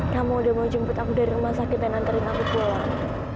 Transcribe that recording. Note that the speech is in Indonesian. kamu udah mau jemput aku dari rumah sakit yang nganterin aku pulang